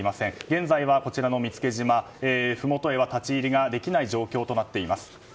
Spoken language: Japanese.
現在は、こちらの見附島ふもとへは立ち入りができない状況になっています。